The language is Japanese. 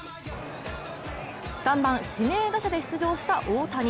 ３番・指名打者で出場した大谷。